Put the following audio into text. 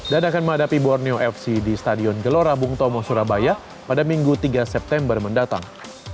akan menghadapi borneo fc di stadion gelora bung tomo surabaya pada minggu tiga september mendatang